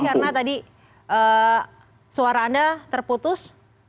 karena tadi suara anda terputus